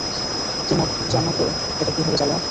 তুমক জান তো এটা কিভাবে চালায়?